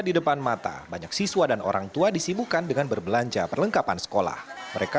di depan mata banyak siswa dan orangtua disibukkan dengan berbelanja perlengkapan sekolah mereka